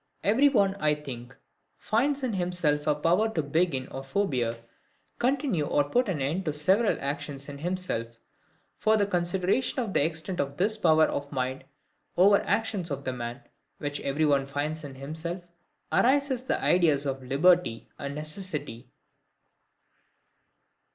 Every one, I think, finds in HIMSELF a power to begin or forbear, continue or put an end to several actions in himself. From the consideration of the extent of this power of the mind over the actions of the man, which everyone finds in himself, arise the IDEAS of LIBERTY and NECESSITY.